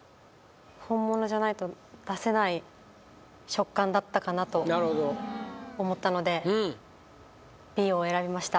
本物じゃないと出せない食感だったかなと思ったのでＢを選びました